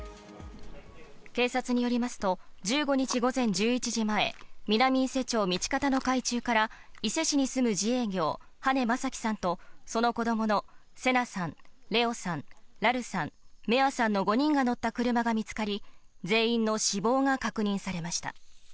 警察によりますと、１５日午前１１時前、南伊勢町道方の海中から、伊勢市に住む自営業、羽根正樹さんとその子どもの聖夏さん、怜皇さん、蘭琉さん、芽杏さんの５人が乗った車が見つかり、全員の死亡が確認されました。